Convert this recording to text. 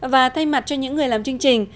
và thay mặt cho những người làm chương trình